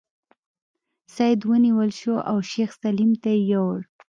سید ونیول شو او شیخ سلیم ته یې یووړ.